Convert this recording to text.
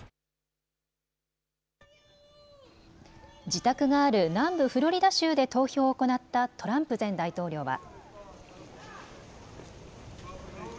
自宅がある南部フロリダ州で投票を行ったトランプ前大統領は。